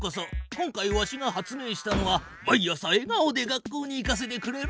今回わしが発明したのは毎朝えがおで学校に行かせてくれるマシン。